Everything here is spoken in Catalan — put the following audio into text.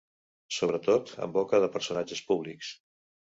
Sobretot en boca de personatges públics.